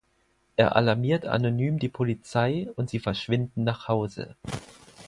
Er alarmiert anonym die Polizei und sie verschwinden nach Hause.